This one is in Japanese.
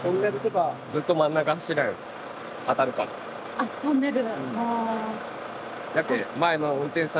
あっトンネル。